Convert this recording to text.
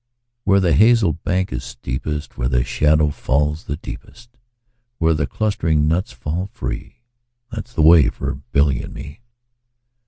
Where the hazel bank is steepest, Where the shadow falls the deepest, Where the clustering nuts fall free, 15 That 's the way for Billy and me.